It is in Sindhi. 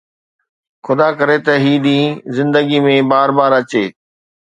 خدا ڪري ته هي ڏينهن زندگي ۾ بار بار اچي